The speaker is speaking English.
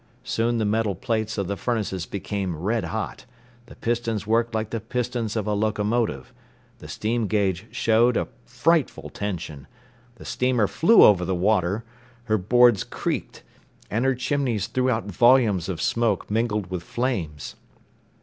Soon the metal plates of the furnaces became red hot; the pistons worked like the pistons of a locomotive; the steamgauge showed a frightful tension; the steamer flew over the water; her boards creaked, and her chimneys threw out volumes of smoke mingled with flames.